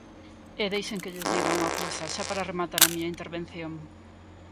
E deixen que lles diga unha cousa xa para rematar a miña intervención.